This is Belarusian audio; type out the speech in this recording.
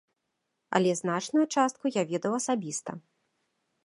Але значную частку я ведаў асабіста.